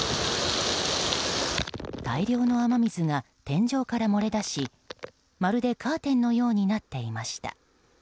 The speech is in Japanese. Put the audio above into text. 大量の雨水が天井から漏れ出しまるでカーテンのようになっていました。